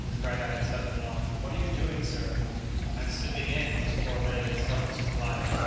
he cried out in sudden alarm; "what are you doing, sir?" "I'm slipping in," was poor Benedict's helpless reply.